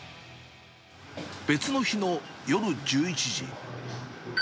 別の日の夜１１時。